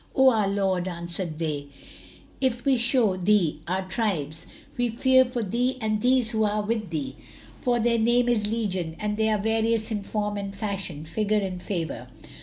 "O our lord," answered they, "if we show thee our tribes, we fear for thee and these who are with thee, for their name is legion and they are various in form and fashion, figure and favour.